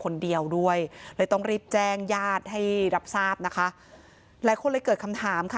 คนเดียวด้วยเลยต้องรีบแจ้งญาติให้รับทราบนะคะหลายคนเลยเกิดคำถามค่ะ